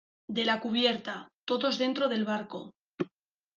de la cubierta. todos dentro del barco .